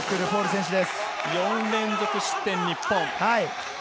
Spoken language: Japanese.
４連続失点、日本。